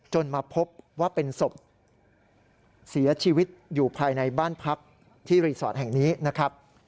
มาพบว่าเป็นศพเสียชีวิตอยู่ภายในบ้านพักที่รีสอร์ทแห่งนี้นะครับ